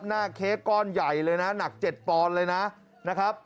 หน้าเค้กก้อนใหญ่เลยนะหนัก๗ปอนด์เลยนะ